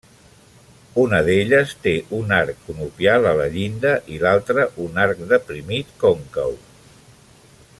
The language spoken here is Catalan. Una d'elles té un arc conopial a la llinda i l'altra un arc deprimit còncau.